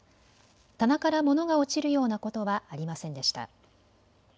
棚から物が落ちるようなことはありませんでした。